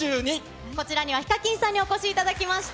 こちらにはＨＩＫＡＫＩＮさんにお越しいただきました。